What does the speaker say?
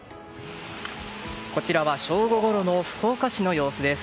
こちらは正午ごろの福岡市の様子です。